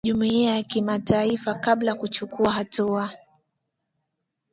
kutoka jumuiya ya kimataifa kabla kuchukua hatua